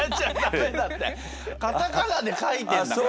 カタカナで書いてんだから。